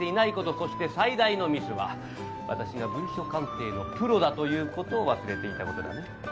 そして最大のミスは私が文書鑑定のプロだという事を忘れていた事だね。